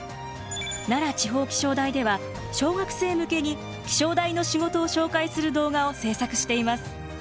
奈良地方気象台では小学生向けに気象台の仕事を紹介する動画を制作しています。